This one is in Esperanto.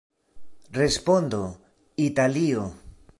Respondo: Italio!